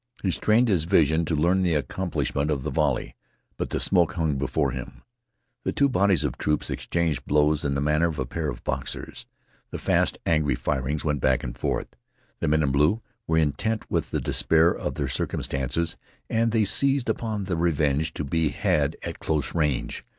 He strained his vision to learn the accomplishment of the volley, but the smoke hung before him. The two bodies of troops exchanged blows in the manner of a pair of boxers. The fast angry firings went back and forth. The men in blue were intent with the despair of their circumstances and they seized upon the revenge to be had at close range.